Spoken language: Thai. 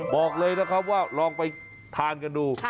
บอกเลยนะครับว่าลองไปทานกันดู